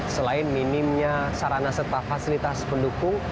selain minimnya sarana serta fasilitas pendukung